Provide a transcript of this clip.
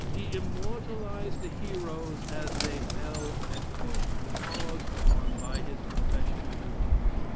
He immortalized the heroes as they fell, and pushed the cause on by his professional duties.